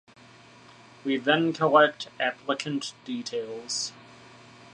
We then collect applicant details